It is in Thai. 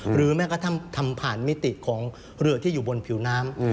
หรือแม้ก็ทำผ่านมิติของเรือที่อยู่บนผิวน้ำ